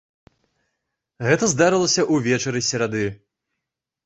Гэта здарылася ўвечары серады.